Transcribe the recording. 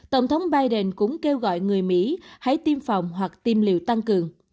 tổng thống biden cũng kêu gọi người mỹ hãy tiêm phòng hoặc tiêm liều tăng cường